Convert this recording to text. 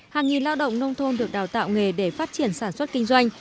hàng nghìn lao động nông thôn được đào tạo nghề để phát triển sản xuất kinh doanh